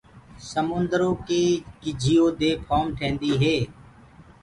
سموندرو ڪي ڳِجھيِو دي ڦوم ٽيندي هي۔